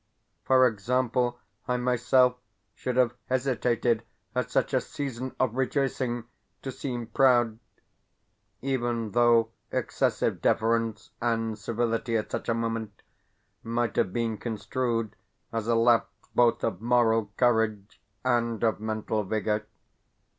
For example, I myself should have hesitated, at such a season of rejoicing, to seem proud, even though excessive deference and civility at such a moment might have been construed as a lapse both of moral courage and of mental vigour.